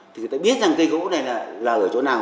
thì người ta biết rằng cây gỗ này lại là ở chỗ nào